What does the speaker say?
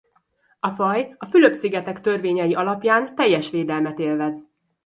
A faj a Fülöp-szigetek törvényei alapján teljes védelmet élvez.